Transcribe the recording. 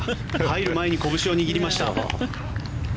入る前にこぶしを握りました。